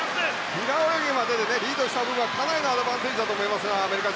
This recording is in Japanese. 平泳ぎまででリードした分がかなりのアドバンテージだと思います。